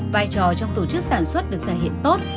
vai trò trong tổ chức sản xuất được thể hiện tốt